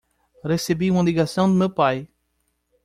Recebi uma ligação do meu pai